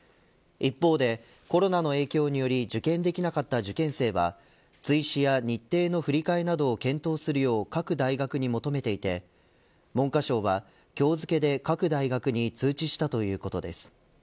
一方でコロナの影響により受験できなかった受験生は追試や日程の振り替えなどを検討するよう各大学に求めていて文科省は今日付けで各大学に通知したということです。